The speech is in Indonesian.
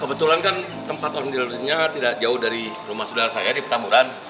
kebetulan kan tempat on hillarnya tidak jauh dari rumah saudara saya di petamburan